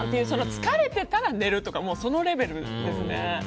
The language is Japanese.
疲れていたら寝るとかそのレベルですね。